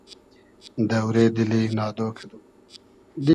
دۆرې دیلی نادۉ کئدوم